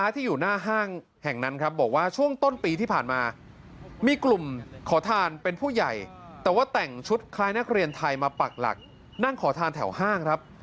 แต่ว่าแต่งชุดคลายนักเรียนไทยมาปรักหลักนั่งขอทานแถวห้างครับ